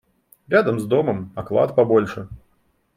Рядом с домом, оклад побольше.